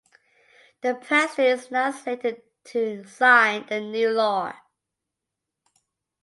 The president is now slated to sign the new law.